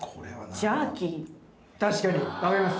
確かに分かります。